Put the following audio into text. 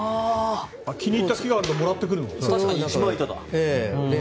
気に入った木があるともらってくるんだ。